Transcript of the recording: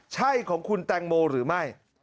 ใช่ของคุณแตงโมหรือไม่